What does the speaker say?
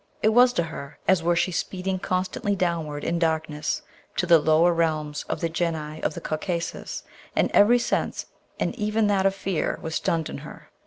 It was to her as were she speeding constantly downward in darkness to the lower realms of the Genii of the Caucasus, and every sense, and even that of fear, was stunned in her.